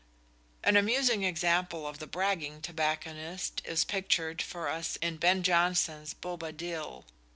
An amusing example of the bragging "tobacconist" is pictured for us in Ben Jonson's "Bobadil."